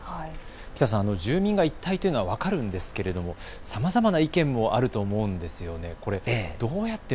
喜多さん、住民が一体というのは分かるんですがさまざまな意見もあると思うんですよね。